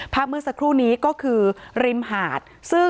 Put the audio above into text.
เมื่อสักครู่นี้ก็คือริมหาด